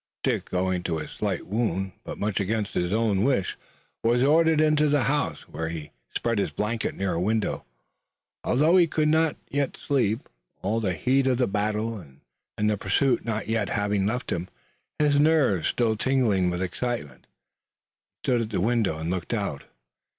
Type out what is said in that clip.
Dick, owing to his slight wound, but much against his wish, was ordered into the house, where he spread his blankets near a window, although he could not yet sleep, all the heat of the battle and pursuit not yet having left him. His nerves still tingling with excitement, he stood at the window and looked out.